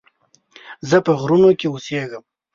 زه په غرونو کې اوسيږم